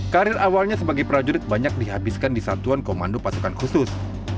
karir awalnya sebagai prajurit banyak dihabiskan di satuan komando pasukan khusus